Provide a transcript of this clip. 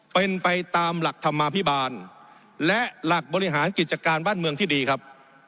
เป็นไปตามหลักธรรมาภิบาลและหลักบริหารกิจการบ้านเมืองที่ดีครับ